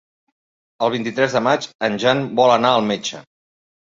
El vint-i-tres de maig en Jan vol anar al metge.